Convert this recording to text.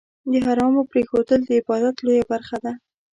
د حرامو پرېښودل، د عبادت لویه برخه ده.